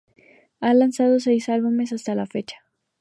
Ha lanzado seis álbumes hasta la fecha.